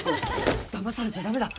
だまされちゃ駄目だ！